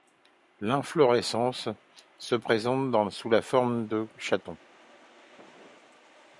L'inflorescence se présente sous la forme de chatons.